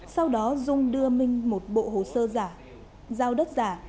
sau đó dung đưa minh một bộ hồ sơ giả giao đất giả